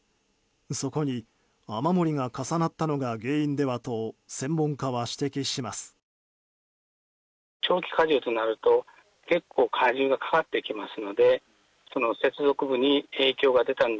そこに雨漏りが重なったのが原因ではと専門家は指摘します。